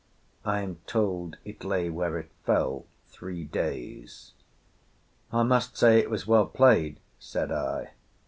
I am told it lay where it fell three days." "I must say it was well played, said I.